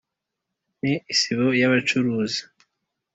Ndi isibo y'abacuruzi